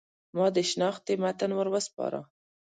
ما د شنختې متن ور وسپاره.